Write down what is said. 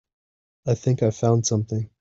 I think I found something.